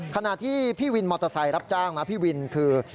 ขณะที่พี่วินมอเตอร์ไซค์รับจ้างนะพี่วินคือ